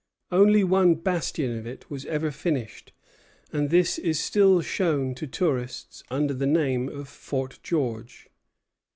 Only one bastion of it was ever finished, and this is still shown to tourists under the name of Fort George.